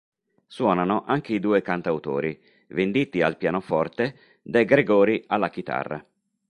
Suonano anche i due cantautori, Venditti al pianoforte, De Gregori alla chitarra.